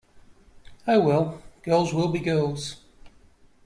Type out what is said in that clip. Oh, well, girls will be girls.